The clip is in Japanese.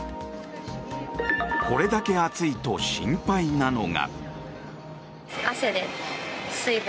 これだけ暑いと心配なのが。